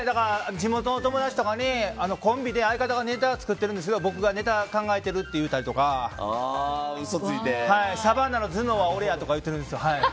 地元の友達とかにコンビで、相方がネタ作ってるんですけど僕がネタ考えてるって言うたりとかサバンナの頭脳は俺やとか言ってるんですよ。